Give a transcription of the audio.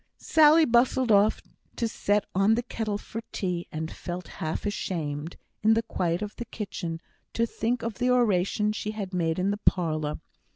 Sally bustled off to set on the kettle for tea, and felt half ashamed, in the quiet of the kitchen, to think of the oration she had made in the parlour.